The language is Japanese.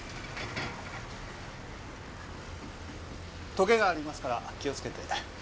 トゲがありますから気をつけて。